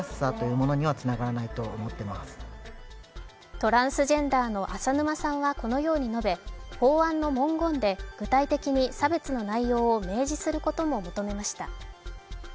トランスジェンダーの浅沼さんはこのように述べ法案の文言で具体的に差別の内容を明示することも求めました。